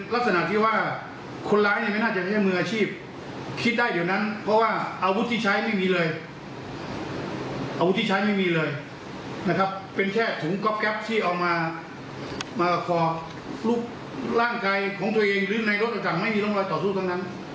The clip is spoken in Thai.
ร่างกายของตัวเองหรือในรถต่างไม่มีร่องรอยต่อสู้ทั้งนั้น